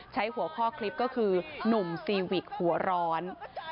ใช้หัวข้อคลิปก็คือหนุ่มซีวิกหัวร้อน